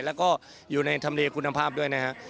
แล้วก็อยู่ในทำเลคุณภาพด้วยนะครับ